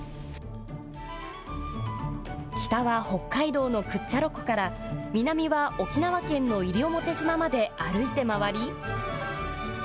北は北海道のクッチャロ湖から、南は沖縄県の西表島まで歩いて回り。